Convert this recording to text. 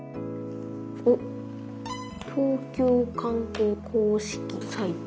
おっ「東京観光公式サイト」。